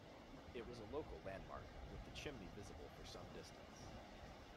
It was a local landmark, with the chimney visible for some distance.